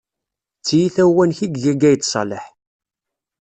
D tiyita n uwanek i iga Gayed Ṣaleḥ.